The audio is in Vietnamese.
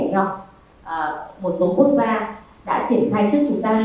một số quốc gia đã triển khai trước chúng ta